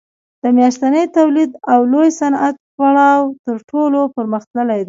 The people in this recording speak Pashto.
د ماشیني تولید او لوی صنعت پړاو تر ټولو پرمختللی دی